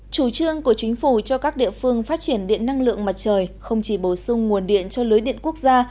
chủ trương của chính phủ cho các địa phương phát triển điện năng lượng mặt trời không chỉ bổ sung nguồn điện cho lưới điện quốc gia